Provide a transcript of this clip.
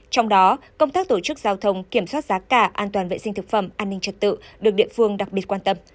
trong đó công tác tổ chức giao thông kiểm soát giá cả an toàn vệ sinh thực phẩm an ninh trật tự được địa phương đặc biệt quan tâm